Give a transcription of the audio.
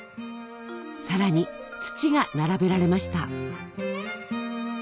さらに土が並べられました。